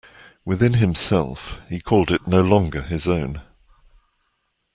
Within himself he called it no longer his own.